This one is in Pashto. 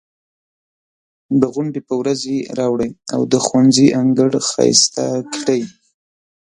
د غونډې په ورځ یې راوړئ او د ښوونځي انګړ ښایسته کړئ.